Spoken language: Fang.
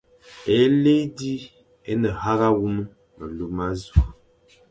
Éli zi é ne hagha wum melu ôsu,